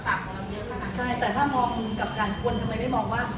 แต่ถ้ามองกับการควรทำไมไม่มองว่า